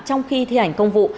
trong khi thi hành công vụ